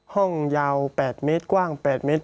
ห้องยาว๘เมตรกว้าง๘เมตร